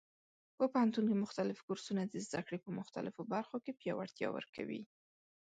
په پوهنتون کې مختلف کورسونه د زده کړې په مختلفو برخو کې پیاوړتیا ورکوي.